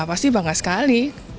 ya pasti bangga sekali